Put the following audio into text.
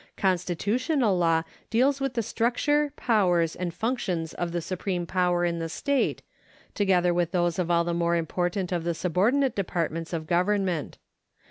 Constitutional law deals with the structure, powers, and functions of the supreme power in the state, together with those of all the more important of the subordinate departments of government.